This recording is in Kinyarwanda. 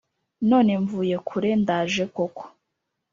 none mvuye kure ndaje koko